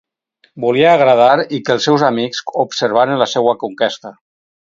Volia agradar i que els seus amics observaren la seua conquesta...